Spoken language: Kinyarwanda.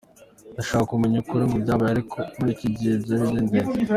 Nashakaga kumenya ukuri ku byabaye ariko muri icyo gihe byari bindenze.